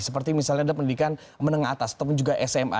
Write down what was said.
seperti misalnya ada pendidikan menengah atas ataupun juga sma